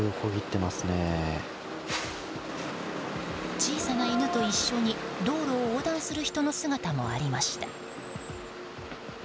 小さな犬と一緒に、道路を横断する人の姿もありました。